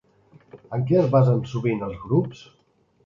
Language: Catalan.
En què es basen sovint els grups?